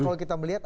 kalau kita melihat